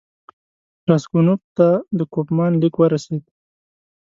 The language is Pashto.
راسګونوف ته د کوفمان لیک ورسېد.